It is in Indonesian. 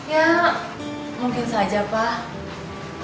ya mungkin saja pak